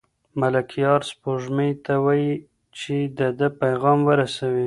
ملکیار سپوږمۍ ته وايي چې د ده پیغام ورسوي.